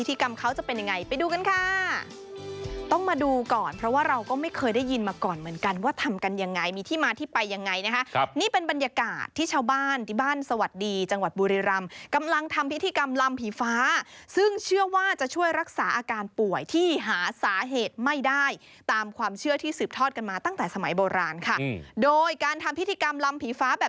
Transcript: กรรมเขาจะเป็นยังไงไปดูกันค่ะต้องมาดูก่อนเพราะว่าเราก็ไม่เคยได้ยินมาก่อนเหมือนกันว่าทำกันยังไงมีที่มาที่ไปยังไงนะคะครับนี่เป็นบรรยากาศที่ชาวบ้านที่บ้านสวัสดีจังหวัดบุรีรำกำลังทำพิธีกรรมลำผีฟ้าซึ่งเชื่อว่าจะช่วยรักษาอาการป่วยที่หาสาเหตุไม่ได้ตามความเชื่อที่สืบทอดกันมาตั้งแต่สมัยโบราณค่ะโดยการทำพิธีกรรมลำผีฟ้าแบบ